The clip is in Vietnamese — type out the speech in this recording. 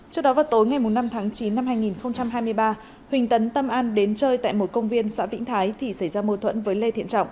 trước đó vào tối ngày năm tháng chín năm hai nghìn hai mươi ba huỳnh tấn tâm an đến chơi tại một công viên xã vĩnh thái thì xảy ra mâu thuẫn với lê thiện trọng